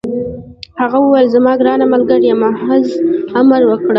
هغه وویل: زما ګرانه ملګرې، محض امر وکړه.